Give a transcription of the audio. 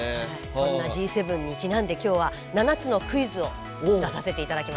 そんなＧ７にちなんで今日は７つのクイズを出させていただきます。